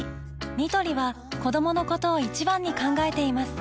ニトリは子どものことを一番に考えています